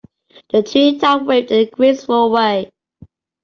The tree top waved in a graceful way.